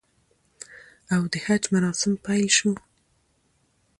او د حج مراسم پیل شو